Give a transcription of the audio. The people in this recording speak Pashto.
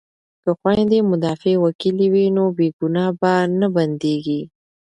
که خویندې مدافع وکیلې وي نو بې ګناه به نه بندیږي.